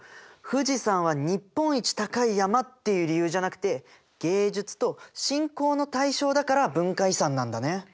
富士山は日本一高い山っていう理由じゃなくて芸術と信仰の対象だから文化遺産なんだね。